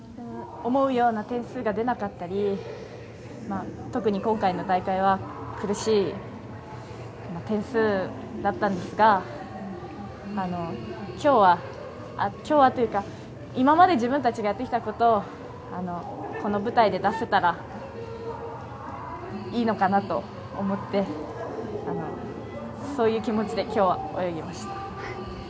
思うような点数が出なかったり、特に今回の大会は苦しい点数だったんですが今まで自分たちがやってきたことをこの舞台で出せたらいいのかなと思ってそういう気持ちで今日は泳ぎました。